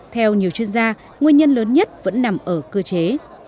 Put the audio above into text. theo nhiều chuyên gia nguyên nhân lớn nhất vẫn nằm ở cơ chế